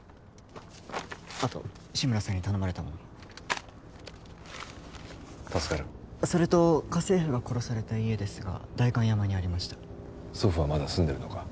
あと志村さんに頼まれたもの助かるそれと家政婦が殺された家ですが代官山にありました祖父はまだ住んでるのか？